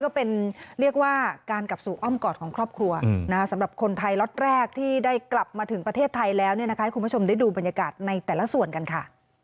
เรียกว่าการกลับสู่อ้อมกอดของครอบครัวสำหรับคนไทยล็อตแรกที่ได้กลับมาถึงประเทศไทยแล้วให้คุณผู้ชมได้ดูบรรยากาศในแต่ละส่วนกันค่ะ